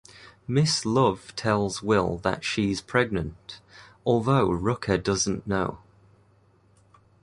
Miss Love tells Will that she's pregnant, although Rucker doesn't know.